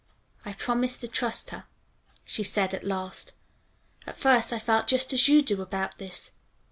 "I promised to trust her," she said at last. "At first I felt just as you do about this.